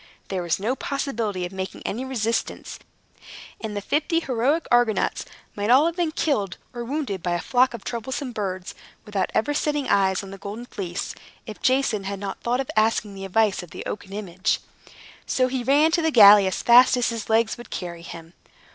There was no possibility of making any resistance; and the fifty heroic Argonauts might all have been killed or wounded by a flock of troublesome birds, without ever setting eyes on the Golden Fleece, if Jason had not thought of asking the advice of the oaken image. So he ran to the galley as fast as his legs would carry him.